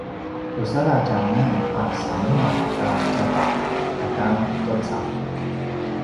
pusaladj anan a semenaw ta tjapaq ata qecap